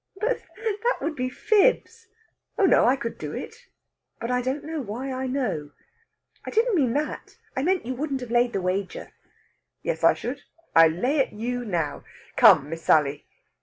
"But that would be fibs." "Oh no! I could do it. But I don't know why I know...." "I didn't mean that. I meant you wouldn't have laid the wager." "Yes, I should. I lay it you now! Come, Miss Sally!